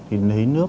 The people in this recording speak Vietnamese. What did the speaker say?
thì lấy nước